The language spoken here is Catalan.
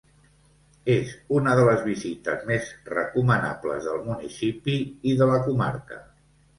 És una de les visites més recomanables del municipi i de la comarca.